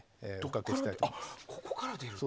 ここから出るんだ。